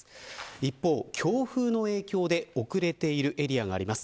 一方、強風の影響で遅れているエリアがあります。